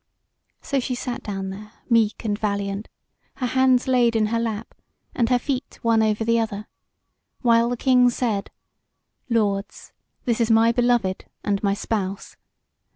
So she sat down there meek and valiant, her hands laid in her lap, and her feet one over the other; while the King said: "Lords, this is my beloved, and my spouse.